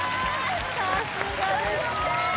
さすがですね